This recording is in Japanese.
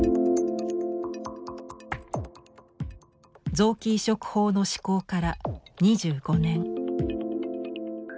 臓器移植法の施行から２５年。